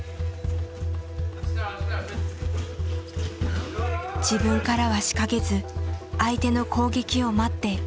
自分からは仕掛けず相手の攻撃を待って隙を狙う。